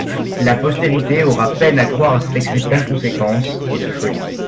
La postérité aura peine à croire à cet excès d'inconséquence et de folie.